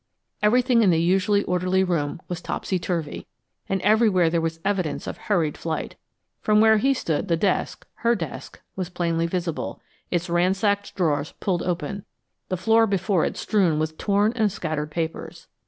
Everything in the usually orderly room was topsy turvy, and everywhere there was evidence of hurried flight. From where he stood the desk her desk was plainly visible, its ransacked drawers pulled open, the floor before it strewn with torn and scattered papers.